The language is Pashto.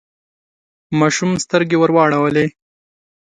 ماشوم سترګې ورواړولې.